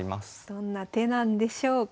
どんな手なんでしょうか。